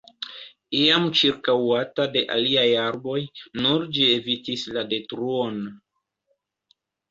Iam ĉirkaŭata de aliaj arboj, nur ĝi evitis la detruon.